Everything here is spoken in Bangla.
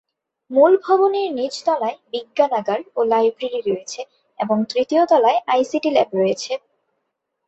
মূল ভবনের নীচ তলায় বিজ্ঞানাগার ও লাইব্রেরি রয়েছে এবং তৃতীয় তলায় আইসিটি ল্যাব রয়েছে।